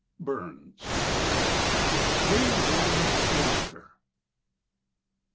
—Burns. J. Rollin Slonaker.